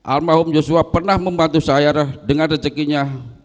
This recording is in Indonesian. al mahum yosua pernah membantu saya dengan rezekinya